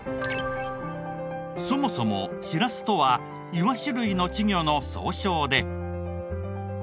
そもそもしらすとはイワシ類の稚魚の総称で。